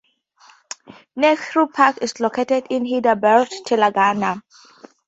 Nehru Park is located in Hyderabad, Telangana.